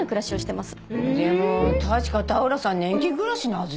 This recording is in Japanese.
でも確か田浦さん年金暮らしのはずよ。